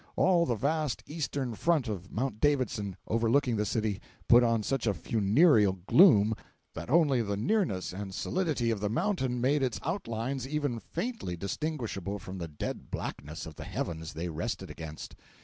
All the vast eastern front of Mount Davidson, over looking the city, put on such a funereal gloom that only the nearness and solidity of the mountain made its outlines even faintly distinguishable from the dead blackness of the heavens they rested against.